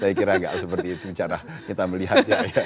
saya kira nggak seperti itu cara kita melihatnya ya